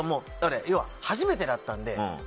要は初めてだったので。